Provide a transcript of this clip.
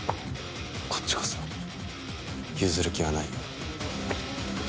こっちこそ譲る気はない。